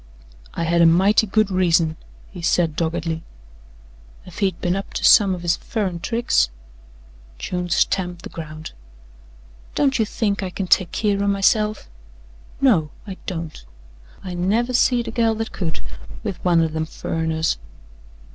"I had a mighty good reason," he said doggedly. "Ef he'd been up to some of his furrin' tricks " June stamped the ground. "Don't you think I kin take keer o' myself?" "No, I don't. I never seed a gal that could with one o' them furriners."